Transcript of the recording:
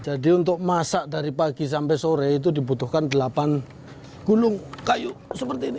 jadi untuk masak dari pagi sampai sore itu dibutuhkan delapan gulung kayu seperti ini